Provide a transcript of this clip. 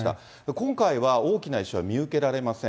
今回は大きな石は見受けられません。